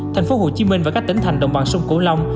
thành phố hồ chí minh và các tỉnh thành đồng bằng sông cửu long